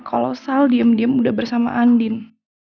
kalau sal diem diem udah bersama andin